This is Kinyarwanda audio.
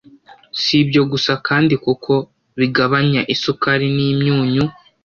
Si ibyo gusa kandi kuko bigabanya isukari n’imyunyu